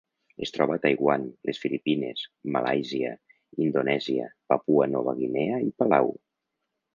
Es troba a Taiwan, les Filipines, Malàisia, Indonèsia, Papua Nova Guinea i Palau.